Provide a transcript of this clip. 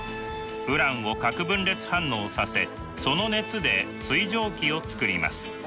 ウランを核分裂反応させその熱で水蒸気をつくります。